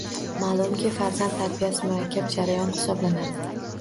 Malumki, farzand tarbiyasi murakkab jarayon hisoblanadi